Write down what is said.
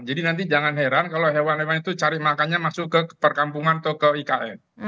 jadi nanti jangan heran kalau hewan hewan itu cari makannya masuk ke perkampungan atau ke ekn